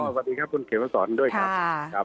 สวัสดีครับคุณเขมสอนด้วยครับ